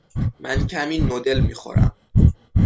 من کمی نودل می خورم.